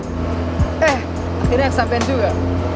eh akhirnya sampein juga